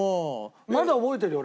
まだ覚えてるよ